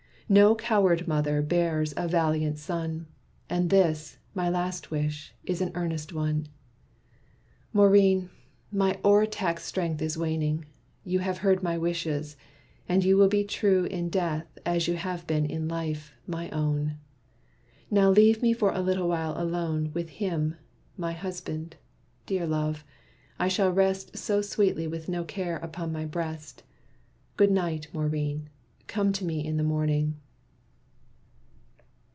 "No coward mother bears a valiant son. And this, my last wish, is an earnest one. "Maurine, my o'er taxed strength is waning; you Have heard my wishes, and you will be true In death as you have been in life, my own! Now leave me for a little while alone With him my husband. Dear love! I shall rest So sweetly with no care upon my breast. Good night, Maurine, come to me in the morning."